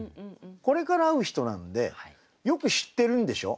これから会う人なんでよく知ってるんでしょ。